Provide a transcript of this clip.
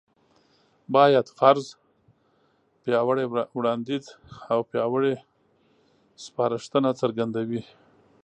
بايد: فرض، پياوړی وړانديځ او پياوړې سپارښتنه څرګندوي